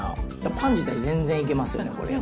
パン自体が全然いけますよね、これ。